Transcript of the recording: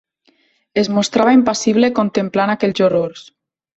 Es mostrava impassible contemplant aquells horrors.